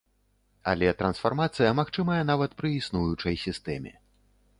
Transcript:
Але трансфармацыя магчымая нават пры існуючай сістэме.